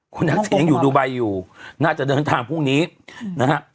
คุณทักษิณยังอยู่ดูไบอยู่น่าจะเดินทางพรุ่งนี้นะฮะ